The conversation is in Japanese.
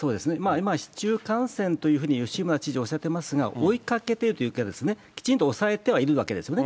今、市中感染というふうに吉村知事おっしゃってますが、追いかけているというかきちんと抑えてはいるわけですよね。